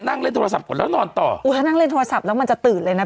นั่งเล่นโทรศัพท์ก่อนแล้วนอนต่ออุ้ยถ้านั่งเล่นโทรศัพท์แล้วมันจะตื่นเลยนะ